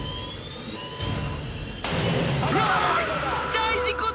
大事故だ。